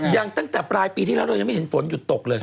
ตั้งแต่ปลายปีที่แล้วเรายังไม่เห็นฝนหยุดตกเลย